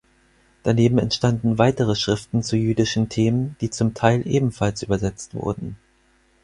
Daneben entstanden weitere Schriften zu jüdischen Themen, die zum Teil ebenfalls übersetzt wurden.